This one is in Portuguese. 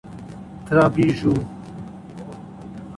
Trabiju